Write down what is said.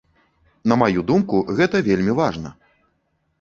На маю думку, гэта вельмі важна.